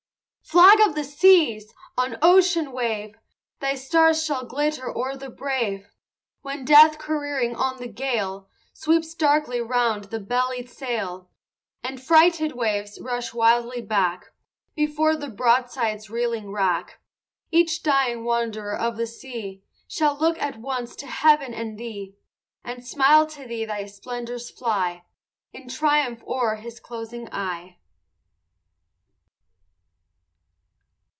IV Flag of the seas! on ocean wave Thy stars shall glitter o'er the brave; When death, careering on the gale, Sweeps darkly round the bellied sail, And frighted waves rush wildly back Before the broadside's reeling rack, Each dying wanderer of the sea Shall look at once to heaven and thee, And smile to see thy splendors fly In triumph o'er his closing eye.